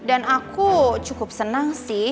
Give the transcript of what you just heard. dan aku cukup senang sih